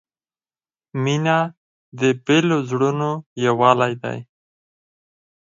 • مینه د بېلو زړونو یووالی دی.